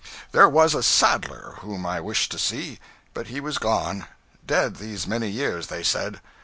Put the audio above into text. There was a saddler whom I wished to see; but he was gone. Dead, these many years, they said.